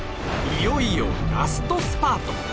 いよいよラストスパート！